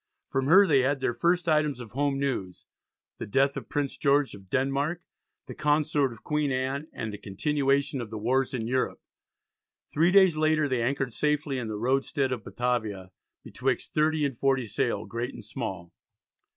From her they had their first items of home news, the death of Prince George of Denmark, the Consort of Queen Anne, and the continuation of the wars in Europe. Three days later they anchored safely in the roadstead of Batavia "betwixt 30 and 40 sail, great and small."